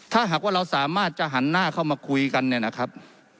ถ้าหากว่าเราสามารถจะหันหน้าเข้ามาคุยกันเนี่ยนะครับ